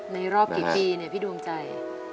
รอบกี่ปีเนี่ยพี่ดวงใจ